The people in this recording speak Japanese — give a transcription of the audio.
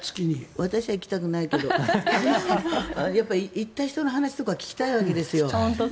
私は行きたくないけど行った人の話なんか聞きたいわけですよ。